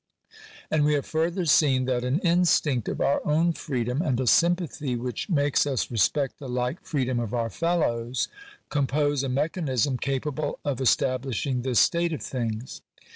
and we have further seen that an instinct of our own freedom, and a sympathy which makes us respect the like freedom of our fellows, compose a mechanism capable of esta blishing this state of things.